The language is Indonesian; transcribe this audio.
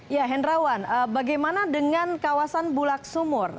ya hendrawan bagaimana dengan kawasan bulak sumur